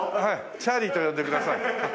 チャーリーと呼んでください。